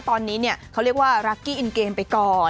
ตอนนี้เนี่ยเขาเรียกว่ารักกี้อินเกมไปก่อน